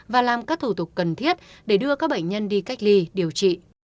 và làm các thủ tục cần thiết để đưa các bệnh nhân đi cách ly điều trị